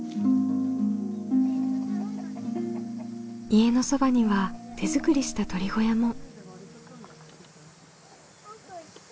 家のそばには手作りした鶏小屋も。